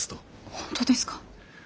本当ですか？